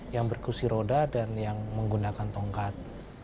yang berkusi roda dan yang menggunakan tongkat